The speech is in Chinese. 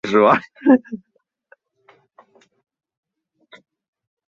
致密硬皮腹菌是属于地星目硬皮腹菌科硬皮腹菌属的一种担子菌。